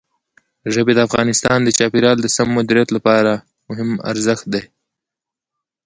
ژبې د افغانستان د چاپیریال د سم مدیریت لپاره خورا مهم ارزښت لري.